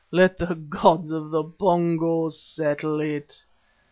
Let the gods of the Pongo settle it."